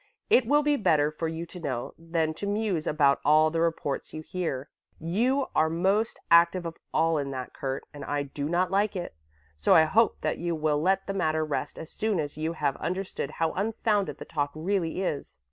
It will be better for you to know than to muse about all the reports you hear. You are most active of all in that, Kurt, and I do not like it; so I hope that you will let the matter rest as soon as you have understood how unfounded the talk really is.